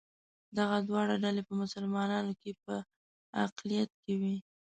دغه دواړه ډلې په مسلمانانو کې په اقلیت کې وې.